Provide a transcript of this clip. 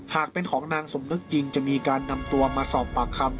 หากเป็นของนางสมนึกจริงจะมีการนำตัวมาสอบปากคำ